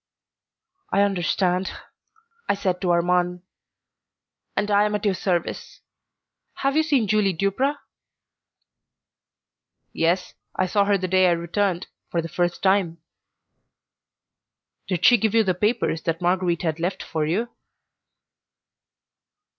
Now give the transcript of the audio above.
"I understand," I said to Armand, "and I am at your service. Have you seen Julie Duprat?" "Yes, I saw her the day I returned, for the first time." "Did she give you the papers that Marguerite had left for you?"